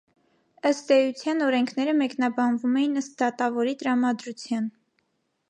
Ըստ էության օրենքները մեկնաբանվում էին ըստ դատավորի տրամադրության։